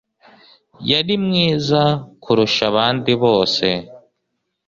Yari mwiza kurusha abandi bose.